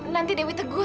nanti dewi tegur